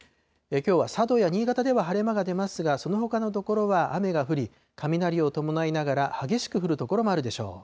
きょうは佐渡や新潟では晴れ間が出ますが、そのほかの所は雨が降り、雷を伴いながら激しく降る所もあるでしょう。